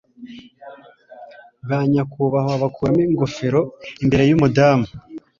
ba nyakubahwa bakuramo ingofero imbere yumudamu